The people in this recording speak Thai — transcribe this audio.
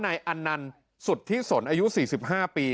นายอันนันสุดที่สนอายุ๔๕ปี